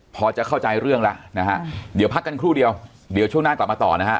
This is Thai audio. พอจะเข้าใจเรื่องแล้วนะฮะเดี๋ยวพักกันครู่เดียวเดี๋ยวช่วงหน้ากลับมาต่อนะฮะ